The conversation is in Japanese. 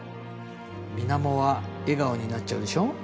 水面は笑顔になっちゃうでしょ？